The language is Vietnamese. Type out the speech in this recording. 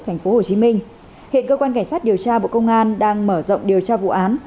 thành phố hồ chí minh hiện cơ quan cảnh sát điều tra bộ công an đang mở rộng điều tra vụ án